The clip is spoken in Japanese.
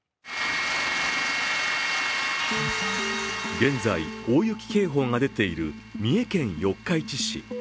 現在、大雪警報が出ている三重県四日市市。